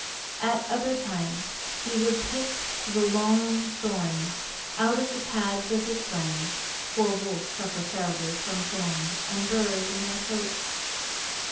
At other times he would pick the long thorns out of the pads of his friends, for wolves suffer terribly from thorns and burs in their coats.